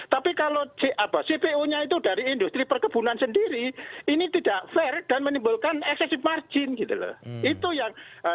tapi kalau cpo nya itu dari industri perkebunan sendiri ini tidak fair dan menimbulkan eksesif margin gitu loh